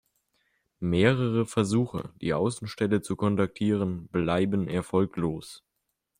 Mehrere Versuche, die Außenstelle zu kontaktieren, bleiben erfolglos.